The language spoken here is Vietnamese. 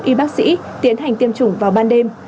y bác sĩ tiến hành tiêm chủng vào ban đêm